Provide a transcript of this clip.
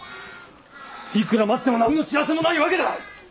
いくら待っても何の知らせもない訳だ！